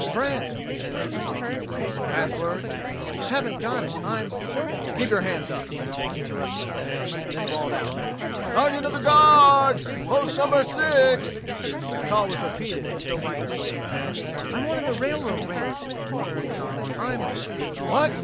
"Friend," answered Tom. "Password?" "Haven't got it. I'm...." "Keep your hands up," interrupted the Sentry; then he bawled out: "Sergeant o' the gua r r d. Post number r six." The call was repeated as though by an echo. "I'm one of the railroad raiders," continued Tom. "I'm...." "What?"